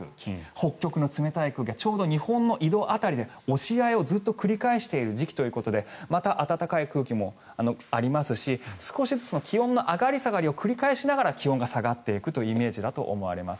北極の冷たい空気がちょうど日本の緯度辺りで押し合いをずっと繰り返している時期ということでまた暖かい空気もありますし少しずつ気温の上がり下がりを繰り返しながら気温が下がっていくというイメージだと思われます。